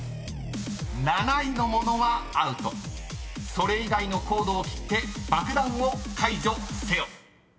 ［それ以外のコードを切って爆弾を解除せよ］